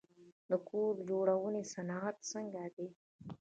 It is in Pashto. د کور جوړونې صنعت څنګه دی؟